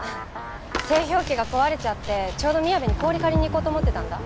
製氷機が壊れちゃってちょうどみやべに氷借りに行こうと思ってたんだ。